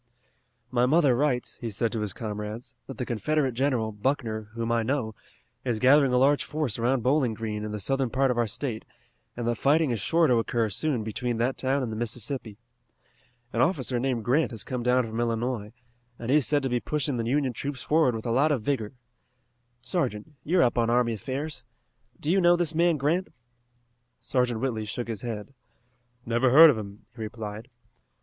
"My mother writes," he said to his comrades, "that the Confederate general, Buckner, whom I know, is gathering a large force around Bowling Green in the southern part of our state, and that fighting is sure to occur soon between that town and the Mississippi. An officer named Grant has come down from Illinois, and he is said to be pushing the Union troops forward with a lot of vigor. Sergeant, you are up on army affairs. Do you know this man Grant?" Sergeant Whitley shook his head. "Never heard of him," he replied.